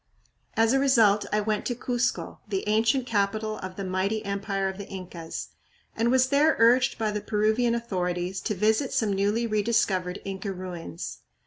As a result I went to Cuzco, the ancient capital of the mighty empire of the Incas, and was there urged by the Peruvian authorities to visit some newly re discovered Inca ruins.